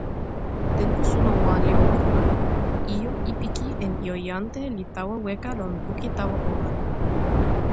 tenpo suno wan li open la, ijo Ipiki en ijo Jante li tawa weka lon poki tawa ona.